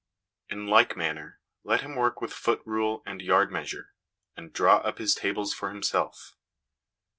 In like manner, let him work with foot rule and yard measure, and draw up his tables for himself.